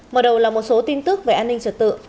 mở đầu là một số tin tức về an ninh trật tự